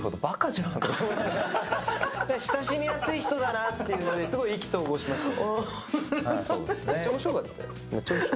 親しみやすい人だなというのですごい意気投合しました。